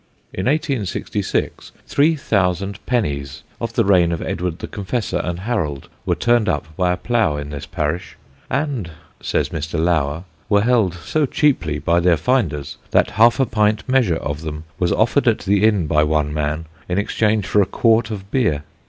In 1866 three thousand pennies of the reign of Edward the Confessor and Harold were turned up by a plough in this parish, and, says Mr. Lower, were held so cheaply by their finders that half a pint measure of them was offered at the inn by one man in exchange for a quart of beer.